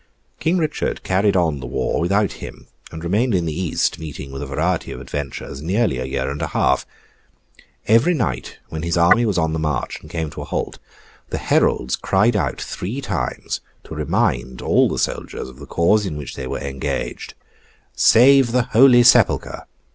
King Richard carried on the war without him; and remained in the East, meeting with a variety of adventures, nearly a year and a half. Every night when his army was on the march, and came to a halt, the heralds cried out three times, to remind all the soldiers of the cause in which they were engaged, 'Save the Holy Sepulchre!